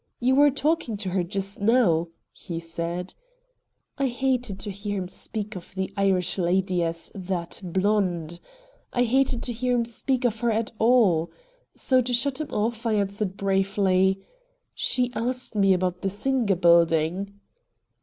"You were talking to her just now," he said. I hated to hear him speak of the Irish lady as "that blonde." I hated to hear him speak of her at all. So, to shut him off, I answered briefly: "She asked me about the Singer Building."